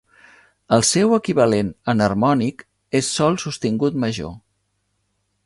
El seu equivalent enharmònic és sol sostingut major.